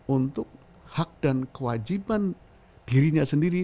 untuk hak dan kewajiban dirinya sendiri